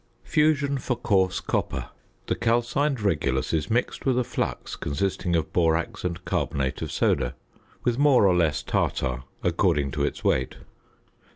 ~Fusion for Coarse Copper.~ The calcined regulus is mixed with a flux consisting of borax and carbonate of soda, with more or less tartar according to its weight.